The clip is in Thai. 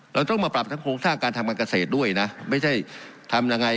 เราต้องมาปรับทั้งโครงสร้างการทำการเกษตรด้วยนะไม่ใช่ทำยังไง